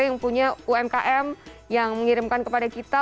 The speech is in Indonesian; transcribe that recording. yang punya umkm yang mengirimkan kepada kita